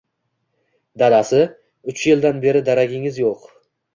-Dadasi uch yildan beri daragingiz yoʻq